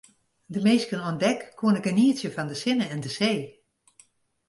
De minsken oan dek koene genietsje fan de sinne en de see.